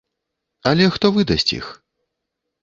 Але хто выдасць іх?